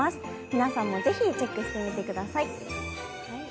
皆さんもぜひチェックしてみてください。